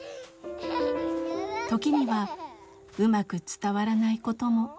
時にはうまく伝わらないことも。